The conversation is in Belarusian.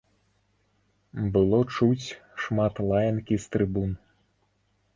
Было чуць шмат лаянкі з трыбун.